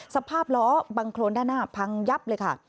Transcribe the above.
สภาพล้อบังโครนด้านหน้าพังยับเลยค่ะ